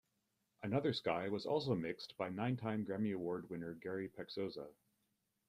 Another Sky was also mixed by nine-time Grammy Award-winner Gary Paczosa.